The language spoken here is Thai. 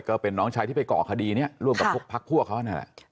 ก็เป็นน้องชายที่ไปก่อคดีนี้ร่วมกับพวกพักพวกเขานั่นแหละ